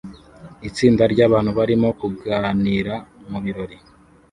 Itsinda ryabantu barimo kuganira mubirori